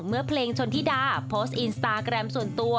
เมื่อเพลงชนธิดาโพสต์อินสตาแกรมส่วนตัว